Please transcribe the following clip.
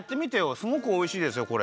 すごくおいしいですよこれ。